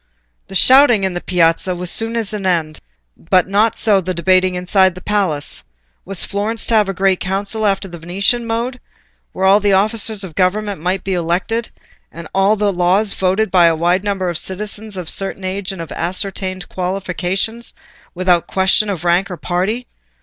The shouting in the Piazza was soon at an end, but not so the debating inside the palace: was Florence to have a Great Council after the Venetian mode, where all the officers of government might be elected, and all laws voted by a wide number of citizens of a certain age and of ascertained qualifications, without question of rank or party?